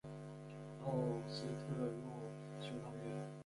奥斯特洛修道院。